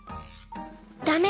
「ダメ。